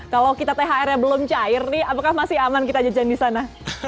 kalau kita thr nya belum cair nih apakah masih aman kita jajan di sana